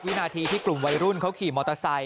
วินาทีที่กลุ่มวัยรุ่นเขาขี่มอเตอร์ไซค